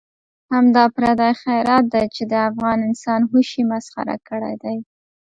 همدا پردی خیرات دی چې د افغان انسان هوش یې مسخره کړی دی.